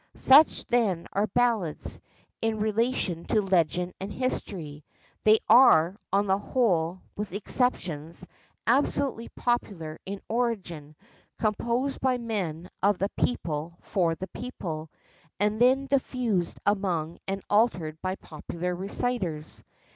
Such then are ballads, in relation to legend and history. They are, on the whole, with exceptions, absolutely popular in origin, composed by men of the people for the people, and then diffused among and altered by popular reciters.